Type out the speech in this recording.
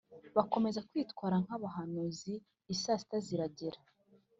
Bakomeza kwitwara nk abahanuzi i saa sita zirarenga